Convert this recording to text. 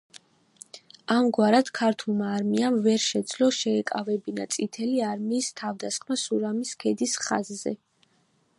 ამგვარად, ქართულმა არმიამ ვერ შეძლო შეეკავებინა წითელი არმიის თავდასხმა სურამის ქედის ხაზზე.